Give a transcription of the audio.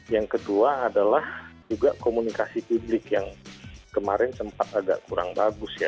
yang kedua adalah juga komunikasi publik yang kemarin sempat agak kurang bagus ya